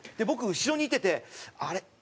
僕後ろにいててあれ？